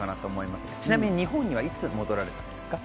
ちなみに日本にはいつ戻られたんですか？